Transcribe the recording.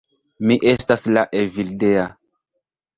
Mi estas la Evildea.